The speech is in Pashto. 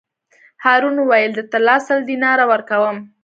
هارون وویل: د طلا سل دیناره ورکووم.